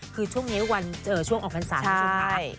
คือช่วงนี้วันช่วงออกพรรษาคุณผู้ชมค่ะ